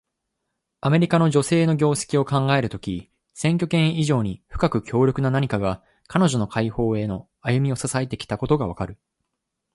アメリカの女性の業績を考えるとき、選挙権以上に深く強力な何かが、彼女の解放への歩みを支えてきたことがわかる。